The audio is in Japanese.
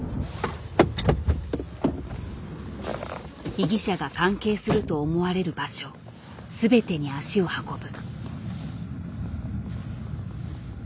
被疑者が関係すると思われる場所全てに足を運ぶ。